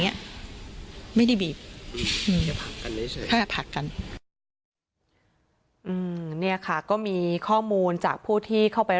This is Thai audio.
เนี้ยไม่ได้บีบอืมเนี่ยค่ะก็มีข้อมูลจากผู้ที่เข้าไป